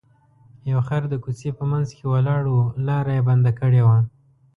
یو خر د کوڅې په منځ کې ولاړ و لاره یې بنده کړې وه.